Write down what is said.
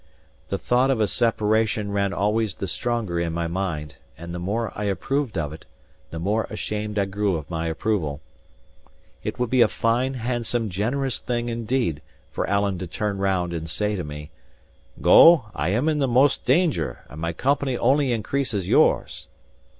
The thought of a separation ran always the stronger in my mind; and the more I approved of it, the more ashamed I grew of my approval. It would be a fine, handsome, generous thing, indeed, for Alan to turn round and say to me: "Go, I am in the most danger, and my company only increases yours."